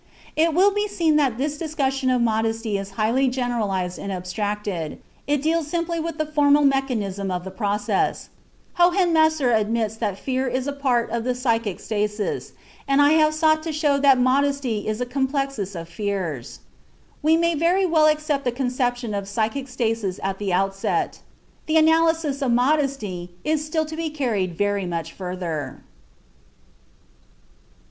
It will be seen that this discussion of modesty is highly generalized and abstracted; it deals simply with the formal mechanism of the process. Hohenemser admits that fear is a form of psychic stasis, and I have sought to show that modesty is a complexus of fears. We may very well accept the conception of psychic stasis at the outset. The analysis of modesty has still to be carried very much further.